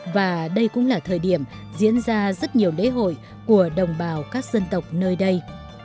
và đây cũng là thời điểm diễn ra rất nhiều lễ hội của đồng bào các dân tộc nơi đây